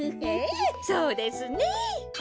ええそうですね。